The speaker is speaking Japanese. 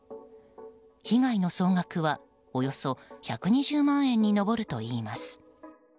被害の総額はおよそ１２０万円に上るといいます。